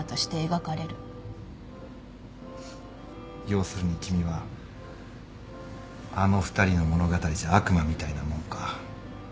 要するに君はあの２人の物語じゃ悪魔みたいなもんか。